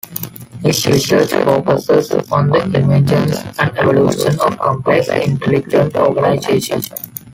His research focuses on the emergence and evolution of complex, intelligent organization.